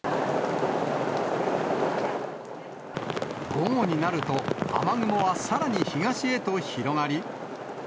午後になると、雨雲はさらに東へと広がり。